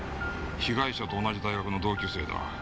被害者と同じ大学の同級生だ。